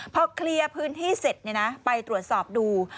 พอเคลียร์พื้นที่เสร็จไปตรวจสอบดู